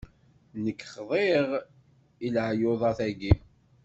Nekk xḍiɣ i leɛyudat-agi.